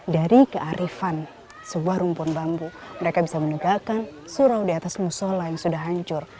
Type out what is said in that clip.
dari kearifan sebuah rumpun bambu mereka bisa menegakkan surau di atas musola yang sudah hancur